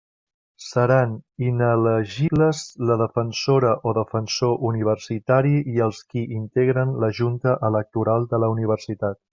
Seran inelegibles la defensora o defensor universitari i els qui integren la Junta Electoral de la Universitat.